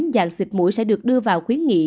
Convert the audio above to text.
dạng xịn mũi sẽ được đưa vào khuyến nghị